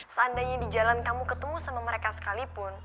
seandainya di jalan kamu ketemu sama mereka sekalipun